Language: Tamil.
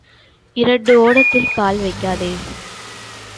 இரண்டு ஓடத்தில் கால் வைக்காதே.